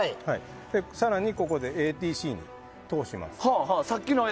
更に、ここでＡＴＣに通します。